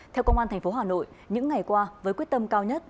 theo công an thành phố hà nội những ngày qua với quyết tâm cao nhất